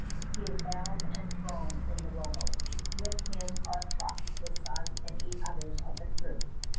He is bound and thrown into the rowboat. With him are thrust his son and eight others of the crew.